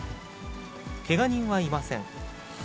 けが人はいません。